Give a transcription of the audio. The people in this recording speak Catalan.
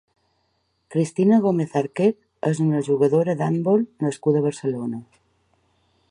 Cristina Gómez Arquer és una jugadora d'handbol nascuda a Barcelona.